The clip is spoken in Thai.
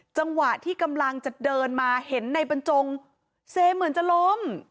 จังหวะที่กำลังจะเดินมาเห็นในบรรจงเซเหมือนจะล้ม